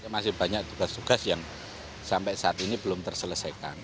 masih banyak tugas tugas yang sampai saat ini belum terselesaikan